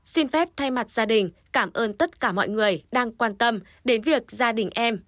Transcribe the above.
xin phép thay mặt gia đình cảm ơn tất cả mọi người đang quan tâm đến việc gia đình em